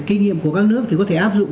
kinh nghiệm của các nước thì có thể áp dụng